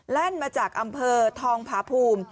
แล่นมาจากอำเภอทองผาภูมิ